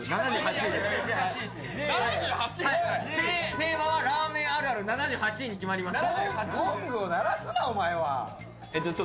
テーマはラーメンあるある７８位に決まりました。